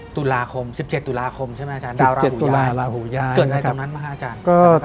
ตุลาคม๑๗ตุลาคมใช่ไหมอาจารย์ดาวราหุย้ายเกิดอะไรตรงนั้นมาอาจารย์